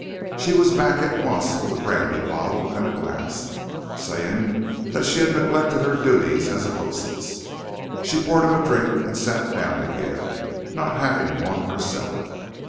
She was back at once with a brandy bottle and a glass, saying that she had neglected her duties as a hostess. She poured him a drink and sat down again, not having one herself.